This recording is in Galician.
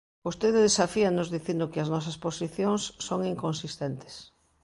Vostede desafíanos dicindo que as nosas posicións son inconsistentes.